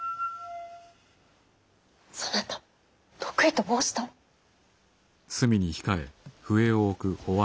そなた得意と申したろう！